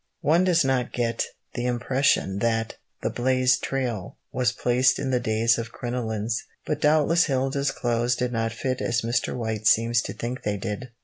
One does not get the impression that The Blazed Trail was placed in the days of crinolines, but doubtless Hilda's clothes did not fit as Mr. White seems to think they did.